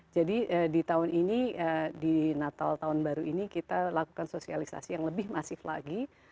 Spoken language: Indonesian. jadi di tahun ini di natal tahun baru ini kita lakukan sosialisasi yang lebih masif lagi